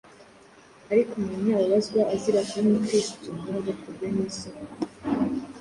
Ariko umuntu nababazwa azira kuba Umukristo ntagakorwe n’isoni,